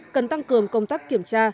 cần tăng cường công tác kiểm tra